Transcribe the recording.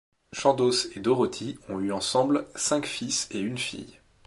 Chandos et Dorothy ont eu ensemble cinq fils et une fille.